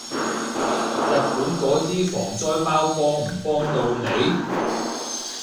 日本嗰啲防災包幫唔幫到你？